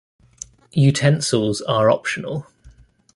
Utensils are optional.